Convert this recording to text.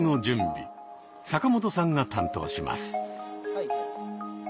坂本さんが担当します。